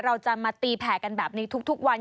เราจะมาตีแผ่กันแบบนี้ทุกวัน